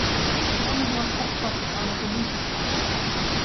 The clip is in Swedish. Det har med våra kroppars anatomi att göra.